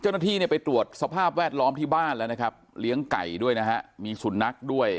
เจ้าหน้าที่เนี่ยไปตรวจสภาพแวดล้อมที่บ้านแล้วนะครับเลี้ยงไก่ด้วยนะฮะมีสุนัขด้วย